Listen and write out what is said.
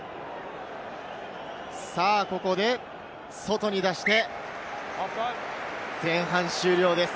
ここで外に出して前半終了です。